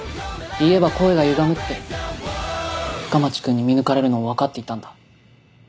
言えば声がゆがむって深町君に見抜かれるのを分かっていたんだ。